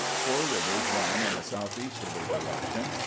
Four rivers run in a southeasterly direction.